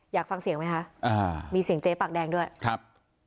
อยากฟังเสียงไหมคะอ่ามีเสียงเจ๊ปากแดงด้วยครับ